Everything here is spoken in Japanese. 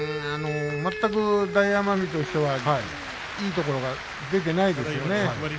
全く大奄美としてはいいところが出ていないですよね。